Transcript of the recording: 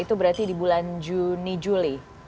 itu berarti di bulan juni juli